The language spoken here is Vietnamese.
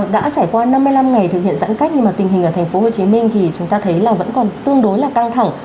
đã trải qua năm mươi năm ngày thực hiện giãn cách nhưng mà tình hình ở thành phố hồ chí minh thì chúng ta thấy là vẫn còn tương đối là căng thẳng